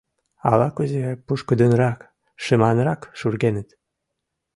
Ала-кузе пушкыдынрак, шыманрак шургеныт.